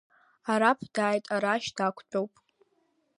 Араԥ дааит, арашь дақәтәоп…